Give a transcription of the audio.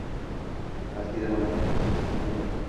Balki daromadga ham sherik qilgandir